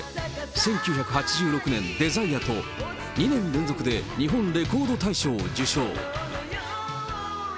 １９８６年、デザイヤと２年連続で日本レコード大賞を受賞。